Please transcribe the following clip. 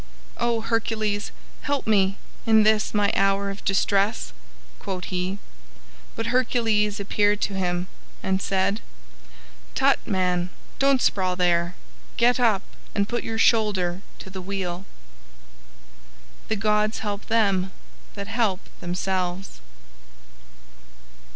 "O Hercules, help me in this my hour of distress," quote he. But Hercules appeared to him, and said: "Tut, man, don't sprawl there. Get up and put your shoulder to the wheel." "THE GODS HELP THEM THAT HELP THEMSELVES."